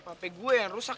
hape saya yang rusak ya